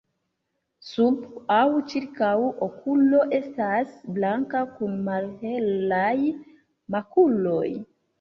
Sub aŭ ĉirkaŭ okulo estas blanka kun malhelaj makuloj.